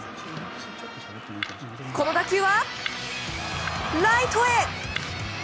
この打球はライトへ！